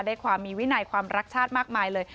ได้ความมีวินัยความรักชาติมากมายเลย